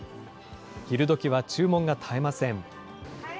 昼どきは注文が絶えません。